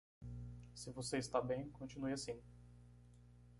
Se você está bem, continue assim.